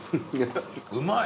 うまい。